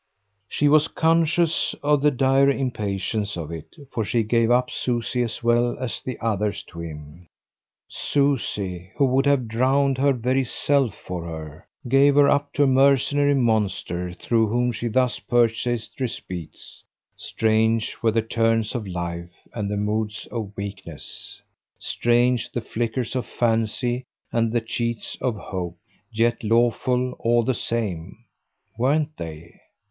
She was conscious of the dire impatience of it, for she gave up Susie as well as the others to him Susie who would have drowned her very self for her; gave her up to a mercenary monster through whom she thus purchased respites. Strange were the turns of life and the moods of weakness; strange the flickers of fancy and the cheats of hope; yet lawful, all the same weren't they?